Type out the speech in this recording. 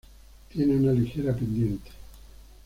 Tiene una ligera pendiente.